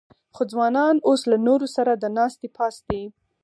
خو ځوانان اوس له نورو سره د ناستې پاستې